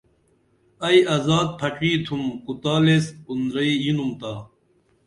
ائی ازاد پھڇی تُھم کُتال ایس اُندرعی یِنُم تا